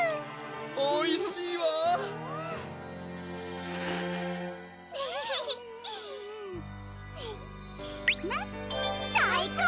おいしいわ最高！